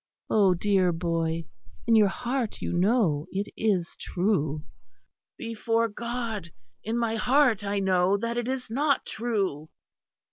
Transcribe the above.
Oh! dear boy, in your heart you know it is true." "Before God, in my heart I know that it is not true."